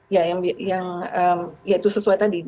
ya yang yaitu sesuai tadi